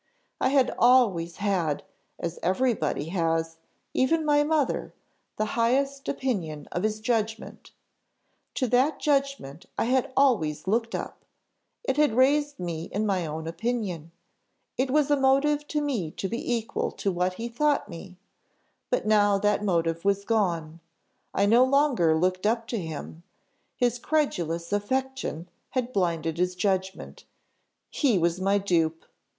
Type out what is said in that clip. I had always had, as every body has, even my mother, the highest opinion of his judgment. To that judgment I had always looked up; it had raised me in my own opinion; it was a motive to me to be equal to what he thought me: but now that motive was gone, I no longer looked up to him; his credulous affection had blinded his judgment he was my dupe!